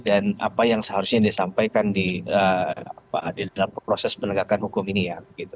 dan apa yang seharusnya disampaikan di dalam proses penegakan hukum ini ya